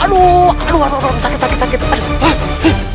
aduh aduh aduh aduh aduh